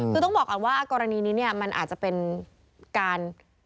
คือต้องบอกก่อนว่ากรณีนี้เนี่ยมันอาจจะเป็นการ